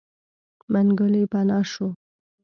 منګلی پناه شو.